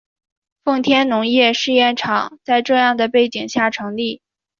奉天农业试验场在这样的背景下成立。